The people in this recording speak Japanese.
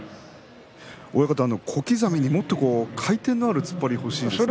親方、小刻みに回転のある突っ張りが欲しいですね。